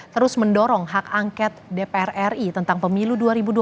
terus mendorong hak angket dpr ri tentang pemilu dua ribu dua puluh